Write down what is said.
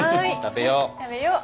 食べよう。